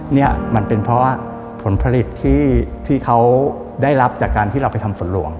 นี่มันเป็นเพราะว่าผลผลิตที่เขาได้รับจากการที่เราไปทำฝนหลวง